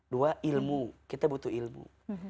dua ilmu kita butuh ilmu